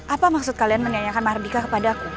apa maksud kalian menanyakan mahardika kepada aku